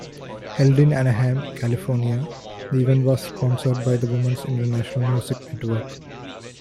Held in Anaheim, California, the event was sponsored by the Women's International Music Network.